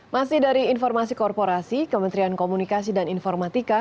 masih dari informasi korporasi kementerian komunikasi dan informatika